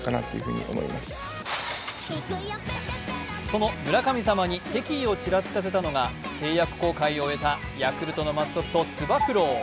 その村神様に敵意をちらつかせたのが、契約更改を終えたヤクルトのマスコット・つば九郎。